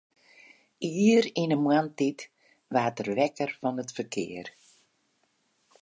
Ier yn 'e moarntiid waard er wekker fan it ferkear.